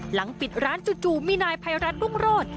หลังปิดร้านจู่มีนายภัยรัฐรุ่งโรธ